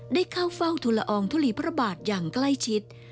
ได้เข้าเฝ้าทุลอองทุลีพระบาทอย่างใกล้ชิด